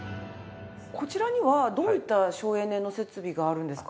こちらにはどういった省エネの設備があるんですか？